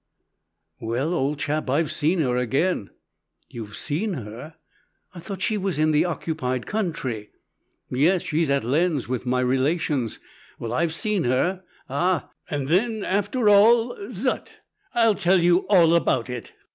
"Well, old chap, I've seen her again." "You've seen her? I thought she was in the occupied country?" "Yes, she's at Lens, with my relations. Well, I've seen her ah, and then, after all, zut! I'll tell you all about it.